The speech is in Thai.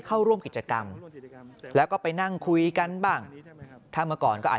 เข้าร่วมกิจกรรมแล้วก็ไปนั่งคุยกันบ้างถ้าเมื่อก่อนก็อาจ